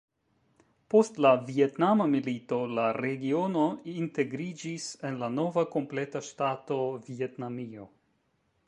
Post la Vjetnama Milito la regiono integriĝis en la nova kompleta ŝtato Vjetnamio.